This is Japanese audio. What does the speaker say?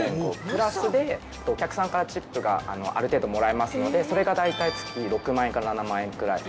プラスでお客さんからチップがある程度もらえますのでそれが大体月６万円か７万円くらい。